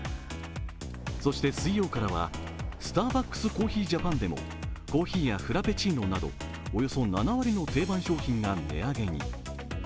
そして、水曜からはスターバックスコーヒージャパンでもコーヒーやフラペチーノなどおよそ７割の定番商品が値上げに。